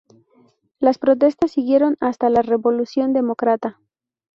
Las protestas siguieron hasta la revolución demócrata.